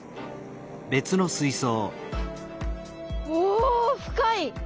おお深い！